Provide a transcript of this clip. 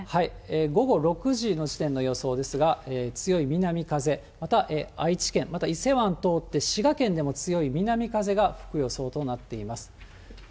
午後６時の時点の予想ですが、強い南風、また愛知県、また伊勢湾通って滋賀県でも強い南風が吹く予想となっています。